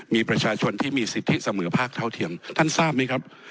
มีประชาชนที่มีสิทธิเสมอภาคเท่าเทียมท่านทราบไหมครับ